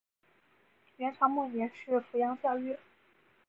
元朝末年是富阳教谕。